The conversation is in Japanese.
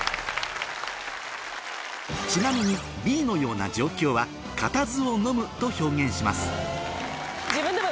ちなみにＢのような状況は「固唾をのむ」と表現します